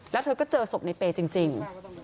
แล้วเธอก็เจอศพในเปย์จริง